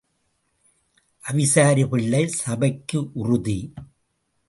அவிசாரி பிள்ளை சபைக்கு உறுதி.